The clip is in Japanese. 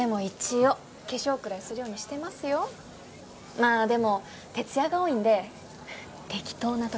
まあでも徹夜が多いんで適当な時も。